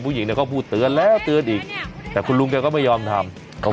ผู้หญิงเนี่ยเขาพูดเตือนแล้วเตือนอีกแต่คุณลุงแกก็ไม่ยอมทำเขา